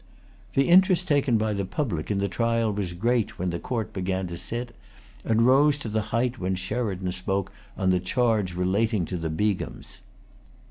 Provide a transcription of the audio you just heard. The interest taken by the public in the trial was great when the Court began to sit, and rose to the height when Sheridan spoke on the charge relating to the Begums.